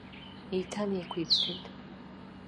Еиҭанеиқәиԥсеит.